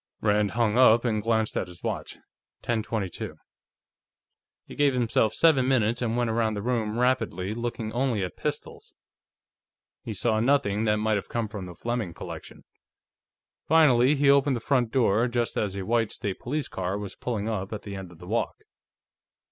Rand hung up and glanced at his watch. Ten twenty two; he gave himself seven minutes and went around the room rapidly, looking only at pistols. He saw nothing that might have come from the Fleming collection. Finally, he opened the front door, just as a white State Police car was pulling up at the end of the walk.